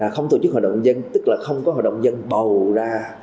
không tổ chức hội đồng nhân dân tức là không có hội đồng dân bầu ra